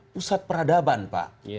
pusat peradaban pak